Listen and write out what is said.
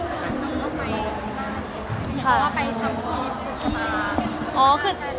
คือว่าไปทำกิจจุดที่